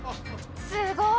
すごい！